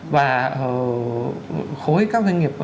và khối các doanh nghiệp